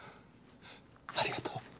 ありがとう。